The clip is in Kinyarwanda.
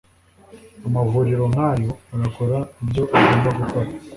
amavuriro nkayo agakora ibyo agomba gukora